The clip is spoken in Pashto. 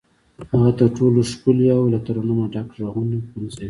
هغه تر ټولو ښکلي او له ترنمه ډک غږونه پنځوي.